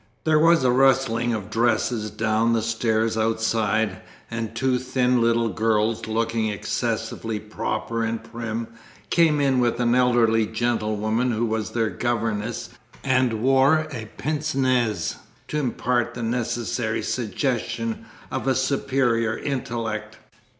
There was a rustle of dresses down the stairs outside, and two thin little girls, looking excessively proper and prim, came in with an elderly gentlewoman who was their governess and wore a pince nez to impart the necessary suggestion of a superior intellect.